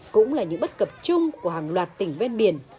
cũng là những bất cập chung của hàng loạt tỉnh ven biển